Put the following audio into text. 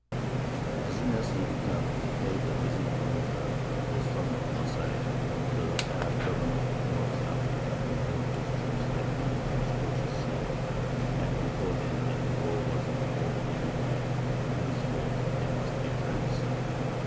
As soon as he had returned, he paid a visit to Mūsa, the son of Noseyr, the Arab governor of North Africa, with whom his troops had many times crossed swords, and he told him that war was now over between them henceforth they must be friends.